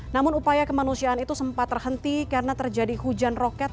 namun upaya kemanusiaan itu sempat terhenti karena terjadi hujan roket